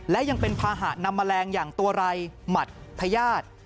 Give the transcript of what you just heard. และยังเป็นภาหะนำแมลงอย่างตัวไรหมัดพญาติ